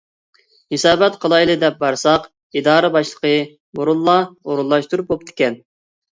ھېسابات قىلايلى دەپ بارساق، ئىدارە باشلىقى بۇرۇنلا ئورۇنلاشتۇرۇپ بوپتىكەن.